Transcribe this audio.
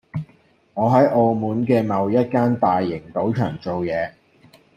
我喺澳門嘅某一間大型賭場做嘢